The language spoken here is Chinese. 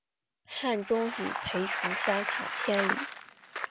汉中与涪城相差千里。